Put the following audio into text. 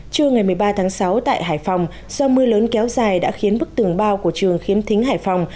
trưa ngày một mươi ba tháng sáu tại hải phòng do mưa lớn kéo dài đã khiến bức tường bao của trường khiếm thính hải phòng